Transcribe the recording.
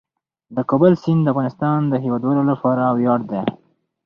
د کابل سیند د افغانستان د هیوادوالو لپاره ویاړ دی.